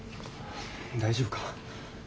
大丈夫か？